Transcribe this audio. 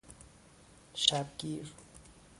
شبگیر